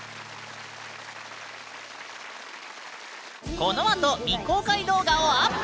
このあと未公開動画をアップ！